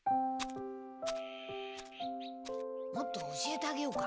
もっと教えてあげようか？